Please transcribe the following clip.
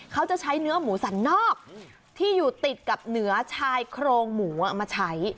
เขาจะใช้เนื้อหมูสันนอกที่อยู่ติดกับเหนือชายโครงหมูเอามาใช้